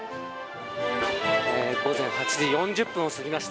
午前８時４０分を過ぎました。